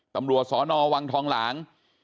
ตำรวจสนวังทองหลาง